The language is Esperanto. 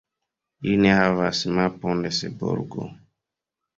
Ili ne havas mapon de Seborgo.